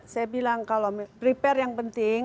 saya bilang kalau prepare yang penting